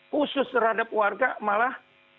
khusus terhadap warga malah